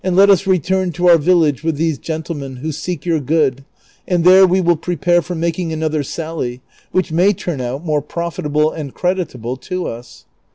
let us return to our village with these gentlemen, who seek your good, and there we will prepare for making another sally, which may turn out more profitable and creditable to us."